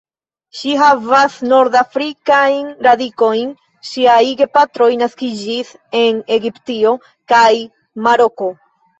Ŝi havas nord-afrikajn radikojn; ŝiaj gepatroj naskiĝis en Egiptio kaj Maroko.